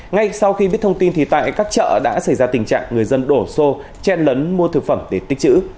ngay sau khi biết thông tin thì tại các chợ đã xảy ra tình trạng người dân đổ xô chen lấn mua thực phẩm để tích trữ